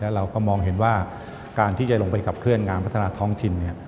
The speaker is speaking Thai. เราก็มองเห็นว่าการที่จะลงไปขับเคลื่อนงานพัฒนาท้องถิ่น